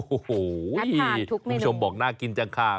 โอ้โหคุณผู้ชมบอกน่ากินจังค่ะ